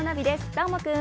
どーもくん。